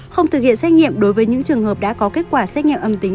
không thực hiện xét nghiệm đối với những trường hợp đã có kết quả xét nghiệm âm tính